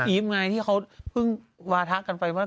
ีฟไงที่เขาเพิ่งวาทะกันไปว่า